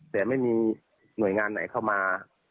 แต่ไม่มีหน่วยงานไหนเข้ามา